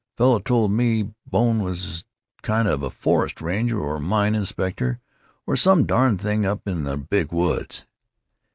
Fellow told me Bone was some kind of a forest ranger or mine inspector, or some darn thing, up in the Big Woods.